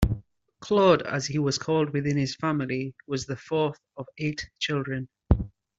Claude, as he was called within his family, was the fourth of eight children.